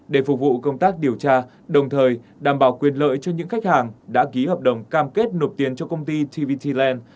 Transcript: để phục vụ công tác điều tra đồng thời đảm bảo quyền lợi cho những khách hàng đã ký hợp đồng cam kết nộp tiền cho công ty tvtyland